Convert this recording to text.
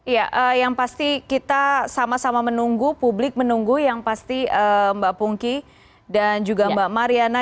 ya yang pasti kita sama sama menunggu publik menunggu yang pasti mbak pungki dan juga mbak mariana